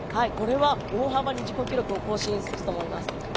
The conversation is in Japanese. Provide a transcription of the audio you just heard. これは大幅に自己記録を更新すると思います。